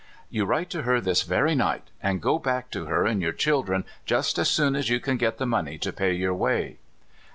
" You write to her this very night, and go back to her and your children just as soon as you can get the money to pay your way.